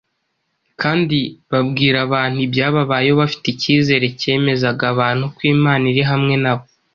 kandi babwira abantu ibyababayeho bafite icyizere cyemezaga abantu ko Imana iri hamwe nabo.